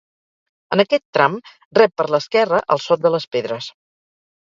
En aquest tram rep per l'esquerra el Sot de les Pedres.